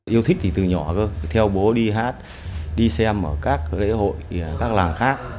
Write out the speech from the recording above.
yêu thích thì từ nhỏ thôi theo bố đi hát đi xem ở các lễ hội các làng khác